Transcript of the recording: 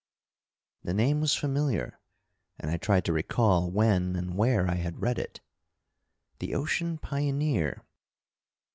The name was familiar, and I tried to recall when and where I had read it. The Ocean Pioneer?